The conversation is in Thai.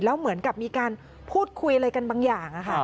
แล้วเหมือนกับมีการพูดคุยอะไรกันบางอย่าง